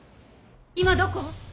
今どこ？